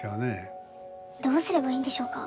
どうすればいいんでしょうか。